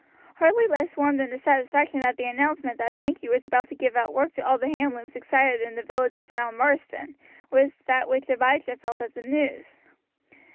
Hardly less warm than the satisfaction that the announcement that Sankey was about to give out work to all the hand looms excited in the villages round Marsden, was that which Abijah felt at the news.